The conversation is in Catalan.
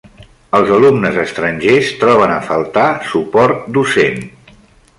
Els alumnes estrangers troben a faltar suport docent.